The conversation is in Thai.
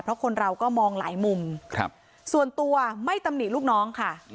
เพราะคนเราก็มองหลายมุมส่วนตัวไม่ตำหนิลูกน้องค่ะ